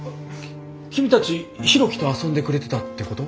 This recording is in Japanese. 君たち博喜と遊んでくれてたってこと？